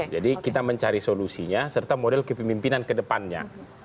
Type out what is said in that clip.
jadi kita mencari solusinya serta model kepemimpinan kedepannya